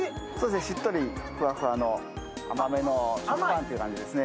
しっとりふわふわの甘めのパンという感じですね。